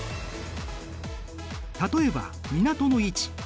例えば港の位置。